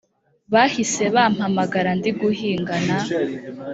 Bahise bampamagara ndi guhinga n